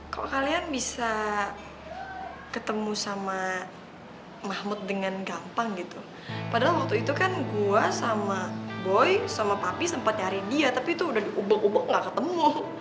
kalau kalian bisa ketemu sama mahmud dengan gampang gitu padahal waktu itu kan gue sama boy sama papi sempat nyari dia tapi tuh udah diubek ubok gak ketemu